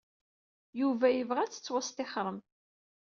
Yuba yebɣa ad tettwastixrem.